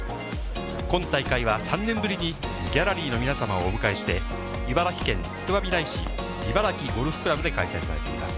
今大会は３年ぶりにギャラリーの皆様をお迎えして、茨城県つくばみらい市茨城ゴルフ倶楽部で開催されています。